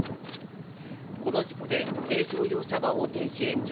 この事故で軽乗用車は横転し、炎上。